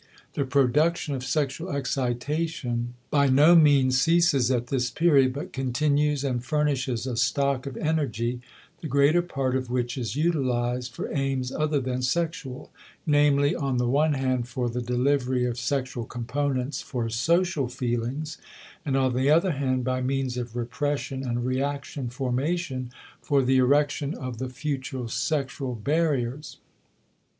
The production of sexual excitation by no means ceases at this period but continues and furnishes a stock of energy, the greater part of which is utilized for aims other than sexual; namely, on the one hand for the delivery of sexual components for social feelings, and on the other hand (by means of repression and reaction formation) for the erection of the future sexual barriers.